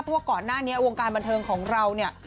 เพราะว่าก่อนหน้านี้วงการบันเทิงของเราเนี่ย